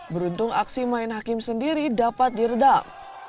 beruntung aksi main hakim sendiri dapat diredam